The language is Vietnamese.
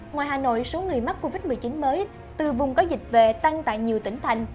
ngoài hà nội số người mắc covid một mươi chín mới từ vùng có dịch về tăng tại nhiều tỉnh thành